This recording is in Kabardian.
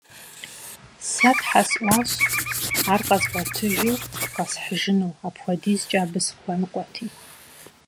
Сэ тхьэ сӀуащ ар къэзгъуэтыжу къэсхьыжыну, апхуэдизкӀэ абы сыхуэныкъуэти.